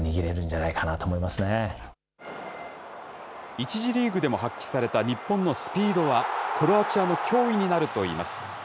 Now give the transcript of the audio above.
１次リーグでも発揮された日本のスピードは、クロアチアの脅威になるといいます。